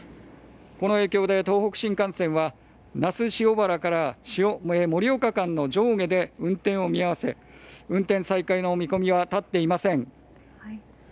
この影響で東北新幹線は那須塩原から盛岡間の上下で運転を見合わせ運転再開の見込みは立っていません。